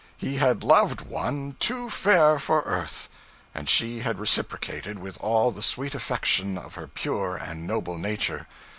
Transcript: He had loved one 'too fair for earth,' and she had reciprocated 'with all the sweet affection of her pure and noble nature.'